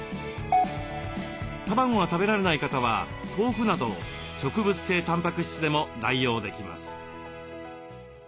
卵が食べられない方は豆腐など植物性たんぱく質でも代用できます。